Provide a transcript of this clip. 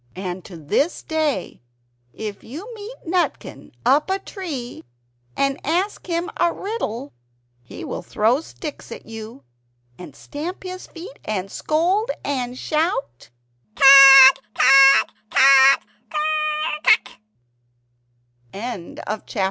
And to this day, if you meet Nutkin up a tree and ask him a riddle, he will throw sticks at you, and stamp his feet and scold, and shout "Cuck cuck cuck cur r r cuck k!"